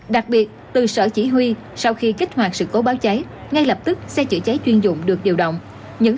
đặc biệt từ sở chỉ huy sau khi kích hoạt sự cố báo cháy ngay lập tức xe chữa cháy chuyên dụng được điều động